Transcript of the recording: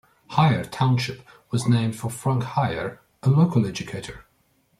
Heier Township was named for Frank Heier, a local educator.